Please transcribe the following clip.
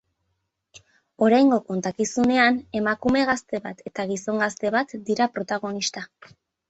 Oraingo kontakizunean emakume gazte bat eta gizon gazte bat dira protagonista.